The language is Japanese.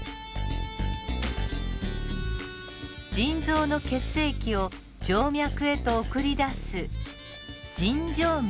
腎臓の血液を静脈へと送り出す腎静脈。